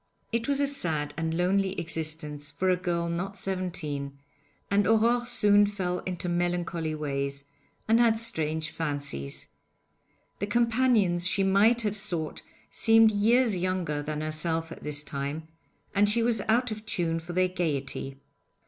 It was a sad and lonely existence for a girl not seventeen, and Aurore soon fell into melancholy ways, and had strange fancies. The companions she might have sought seemed years younger than herself at this time, and she was out of tune for their gaiety.